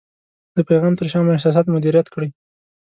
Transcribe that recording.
د پیغام تر شا مو احساسات مدیریت کړئ.